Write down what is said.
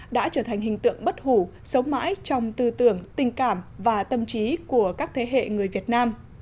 đã trở thành hình tượng bất hủ sống mãi trong tư tưởng tình cảm và tâm trí của các thế hệ người việt nam